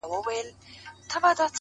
روغ زړه درواخله خدایه بیا یې کباب راکه ـ